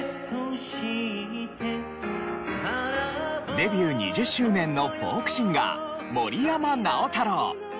デビュー２０周年のフォークシンガー森山直太朗。